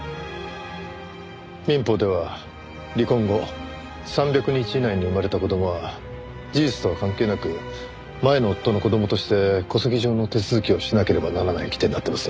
民法では離婚後３００日以内に生まれた子供は事実とは関係なく前の夫の子供として戸籍上の手続きをしなければならない規定になっています。